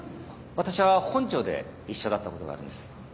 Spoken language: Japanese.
私は本庁で一緒だったことがあるんです。